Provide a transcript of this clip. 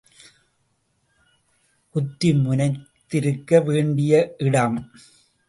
குத்தி முனைத்திருக்க வேண்டிய இடம்.